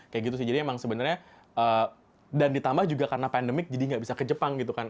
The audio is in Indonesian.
kayak gitu sih jadi emang sebenarnya dan ditambah juga karena pandemik jadi nggak bisa ke jepang gitu kan